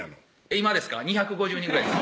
今ですか２５０人ぐらいです